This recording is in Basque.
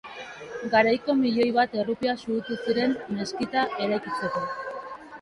Garaiko milioi bat errupia xahutu ziren meskita eraikitzeko.